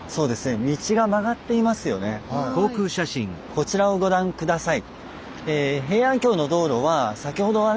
こちらをご覧下さい。